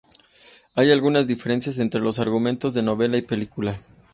Hay algunas diferencias entre los argumentos de novela y película.